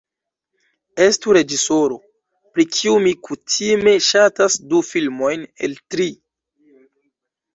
Estu reĝisoro, pri kiu mi kutime ŝatas du filmojn el tri.